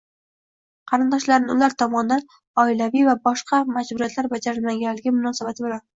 Qarindoshlarni ular tomonidan oilaviy va boshqa majburiyatlar bajarilmaganligi munosabati bilan